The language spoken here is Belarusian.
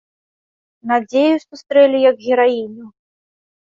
Надзею сустрэлі як гераіню.